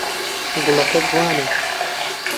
گوڵەکە جوانە.